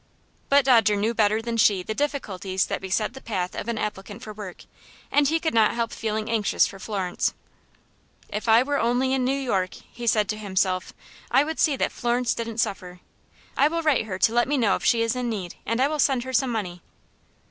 But Dodger knew better than she the difficulties that beset the path of an applicant for work, and he could not help feeling anxious for Florence. "If I were only in New York," he said to himself, "I would see that Florence didn't suffer. I will write her to let me know if she is in need, and I will send her some money."